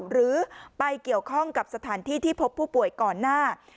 หรือไปเกี่ยวข้องกับสถานที่ที่พบผู้ป่วยก่อนหน้า